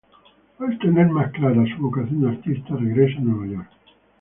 Al tener más clara su vocación de artista, regresa a Nueva York.